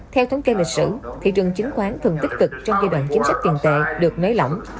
theo thống kê lịch sử thị trường chứng khoán thường tích cực trong giai đoạn chính sách tiền tệ được nới lỏng